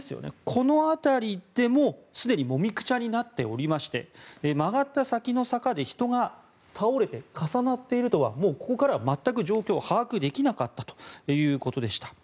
この辺りでも、すでにもみくちゃになっていまして曲がった先の坂で人が倒れて重なっているとはもうここからは全く状況が把握できなかったということでした。